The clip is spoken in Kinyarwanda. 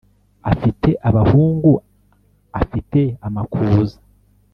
afite abahungu afite amakuza